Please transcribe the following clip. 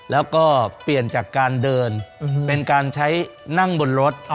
แล้วก็เปลี่ยนจากการเดินเป็นการใช้นั่งบนรถ